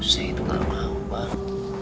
saya itu gak mau pak